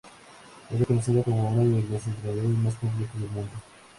Es reconocido como uno de los entrenadores más completos del mundo.